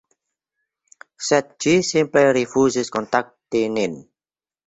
sed ĝi simple rifuzis kontakti nin.